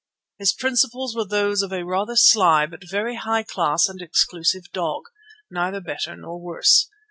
His principles were those of a rather sly but very high class and exclusive dog, neither better nor worse.